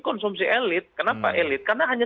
konsumsi elit kenapa elit karena hanya